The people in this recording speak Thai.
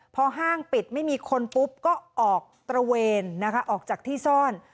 พอห้างปิดไม่มีคนปุ๊บก็ออกตระเวนนะคะออกจากที่ซ่อน